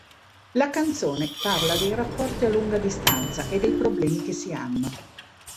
La canzone parla dei rapporti a lunga distanza e dei problemi che si hanno.